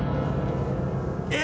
え！